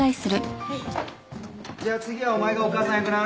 じゃあ次はお前がお母さん役な。